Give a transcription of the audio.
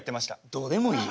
どうでもいい。